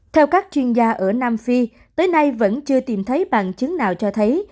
theo các chuyên gia ở nam phi tới nay vẫn chưa tìm thấy bằng chứng nào cho thấy